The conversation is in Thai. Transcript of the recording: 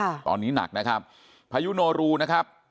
ตอนนี้หนักนะครับพายุโนรูนะครับ